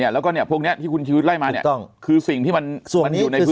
แล้วก็พวกนี้ที่คุณชีวิตไล่มาเนี่ยคือสิ่งที่มันอยู่ในพื้น